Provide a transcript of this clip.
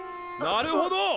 なるほど！